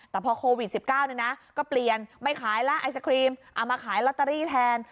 แต่พอโควิด๑๙ก็เปลี่ยนไม่ขายแล้วไอศครีมเอามาขายลอตเตอรี่แทน